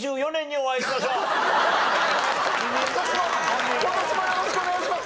今年もよろしくお願いします！